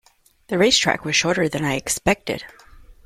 The race track was shorter than I expected.